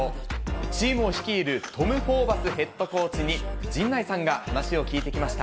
チームを率いるトム・ホーバスヘッドコーチに、陣内さんが話を聞いてきました。